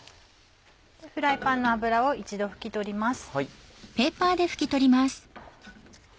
フライパンの油を一度拭き取ります。